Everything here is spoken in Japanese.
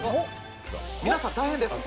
皆さん大変です。